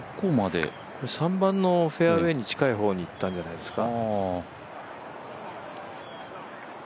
３番のフェアウエーに近い方までいったんじゃないですか。